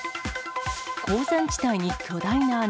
鉱山地帯に巨大な穴。